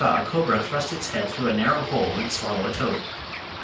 a cobra thrust its head through a narrow hole and swallow a toad.